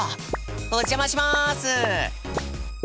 お邪魔します！